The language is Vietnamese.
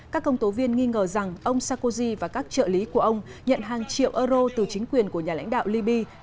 các công tố viên nghi ngờ rằng ông sarkozy và các trợ lý của ông nhận hàng triệu euro từ chính quyền của nhà lãnh đạo libya